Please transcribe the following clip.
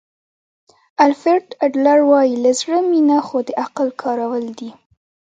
الفرډ اډلر وایي له زړه مینه خو د عقل کارول دي.